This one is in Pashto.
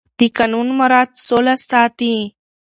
د قانون مراعت سوله ساتي